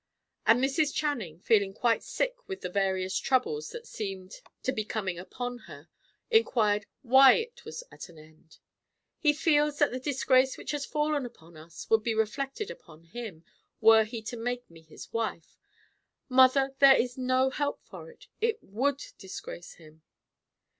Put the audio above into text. And Mrs. Channing, feeling quite sick with the various troubles that seemed to be coming upon her, inquired why it was at an end. "He feels that the disgrace which has fallen upon us would be reflected upon him, were he to make me his wife. Mother, there is no help for it: it would disgrace him."